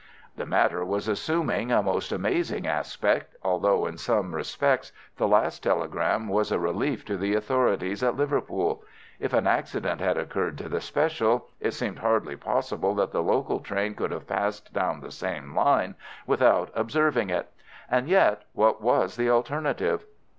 The matter was assuming a most amazing aspect, although in some respects the last telegram was a relief to the authorities at Liverpool. If an accident had occurred to the special, it seemed hardly possible that the local train could have passed down the same line without observing it. And yet, what was the alternative?